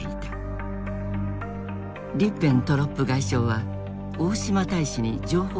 リッベントロップ外相は大島大使に情報を伝えてきた。